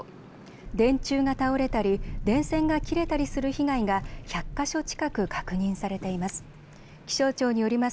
電柱が倒れたり電線が切れたりする被害が１００か所近く確認されています。